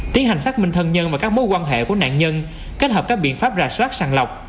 tiến hành xác minh thân nhân và các mối quan hệ của nạn nhân kết hợp các biện pháp rà soát sàng lọc